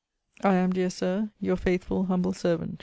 * I am, dear Sir, Your faithful, humble servant, WM.